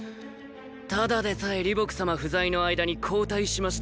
ただでさえ李牧様不在の間に後退しましたからね